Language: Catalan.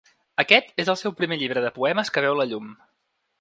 Aquest és el seu primer llibre de poemes que veu la llum.